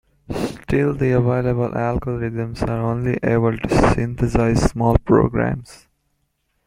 Still, the available algorithms are only able to synthesize small programs.